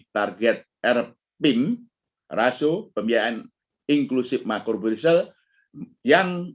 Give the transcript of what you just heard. target erpim rasio pembiayaan inklusif makrobrisel yang